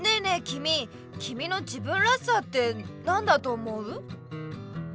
君君の自分らしさって何だと思う？